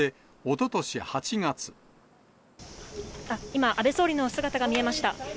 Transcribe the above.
今、安倍総理の姿が見えました。